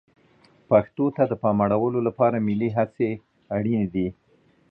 پښتو ته د پام اړولو لپاره ملي هڅې اړینې دي.